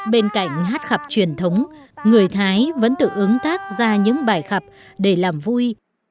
bên cạnh hát khập truyền thống người thái vẫn tự ứng tác ra những bài khập để làm vui